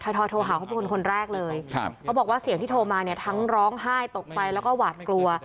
ทอยโทรหาเขาเป็นคนคนแรกเลยครับเขาบอกว่าเสียงที่โทรมาเนี่ยทั้งร้องไห้ตกใจแล้วก็หวาดกลัว